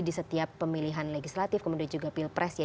di setiap pemilihan legislatif kemudian juga pilpres